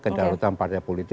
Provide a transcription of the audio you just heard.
kedarutan partai politik